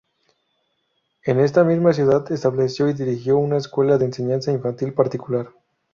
En esta misma ciudad, estableció y dirigió una escuela de enseñanza infantil particular.